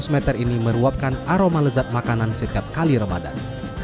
seratus meter ini meruapkan aroma lezat makanan setiap kali ramadan